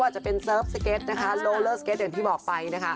จะเป็นเซิร์ฟสเก็ตนะคะโลเลอร์สเก็ตอย่างที่บอกไปนะคะ